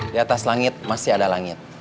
di atas langit masih ada langit